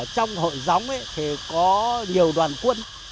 trong hội gióng có nhiều đoàn quân